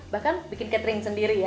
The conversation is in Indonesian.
bahkan bikin catering sendiri ya